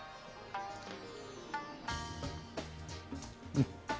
うん。